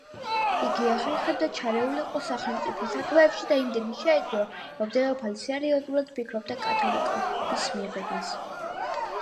იგი ახერხებდა ჩარეულიყო სახელმწიფო საქმეებში და იმდენი შეძლო, რომ დედოფალი სერიოზულად ფიქრობდა კათოლიკობის მიღებას.